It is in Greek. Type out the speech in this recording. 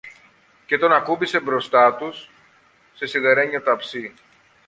και τον ακούμπησε μπροστά τους, σε σιδερένιο ταψί.